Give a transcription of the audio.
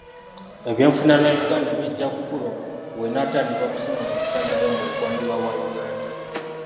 Eby'enfuna bya Uganda bijja kukula bw'enaatandika okusima amafuta gaayo mu bugwanjuba bwa Uganda.